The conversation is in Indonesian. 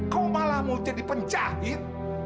kau malah mau jadi penjahit